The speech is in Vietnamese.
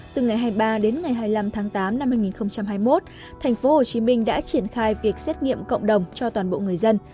từ ngày hai mươi ba đến ngày hai mươi năm tháng tám năm hai nghìn hai mươi một tp hcm đã triển khai việc xét nghiệm cộng đồng cho toàn bộ người dân